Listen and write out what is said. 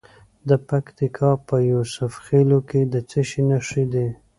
د پکتیکا په یوسف خیل کې د څه شي نښې دي؟